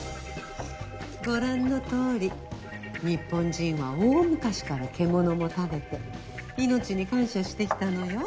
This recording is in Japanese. ご覧のとおり日本人は大昔から獣も食べて命に感謝してきたのよ。